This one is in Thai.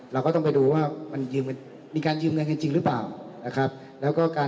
เราก็ต้องไปดูมายืมเงินจริงหรือไม่